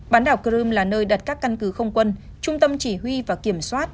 bán đảo crimea là nơi đặt các căn cứ không quân trung tâm chỉ huy và kiểm soát